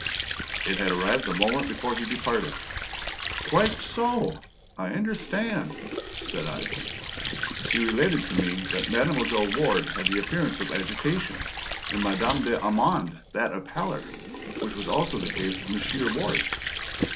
"It had arrived the moment before he departed." "Quite SO! I understand," said I. "He related to me that Mademoiselle Ward had the appearance of agitation, and Madame d'Armand that of pallor, which was also the case with Monsieur Ward."